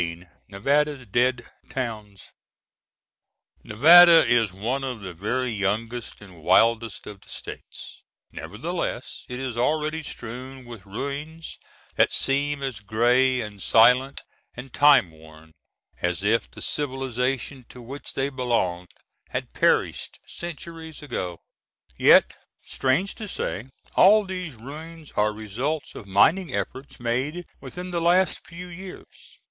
XVI. Nevada's Dead Towns Nevada is one of the very youngest and wildest of the States; nevertheless it is already strewn with ruins that seem as gray and silent and time worn as if the civilization to which they belonged had perished centuries ago. Yet, strange to say, all these ruins are results of mining efforts made within the last few years.